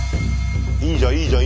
いいじゃんいいじゃん。